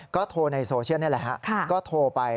ก็โทรในโซเชียลนี่แหละครับ